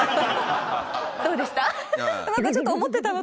どうでした？